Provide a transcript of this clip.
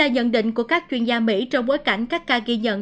đây là nhận định của các chuyên gia mỹ trong bối cảnh các ca ghi nhận